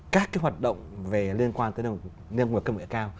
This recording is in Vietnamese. các hoạt động liên quan tới nông nghiệp công nghệ cao